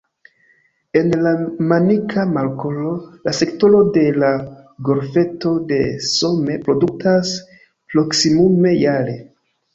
En la Manika Markolo, la sektoro de la Golfeto de Somme produktas proksimume jare.